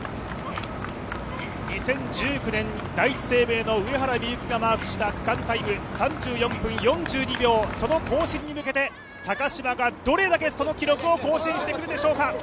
２０１９年第一生命の上原美幸がマークした３４分４２秒、その更新に向けて高島がどれだけその記録を更新してくるでしょうか。